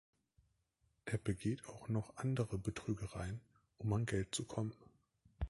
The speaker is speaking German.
Er begeht auch noch andere Betrügereien, um an Geld zu kommen.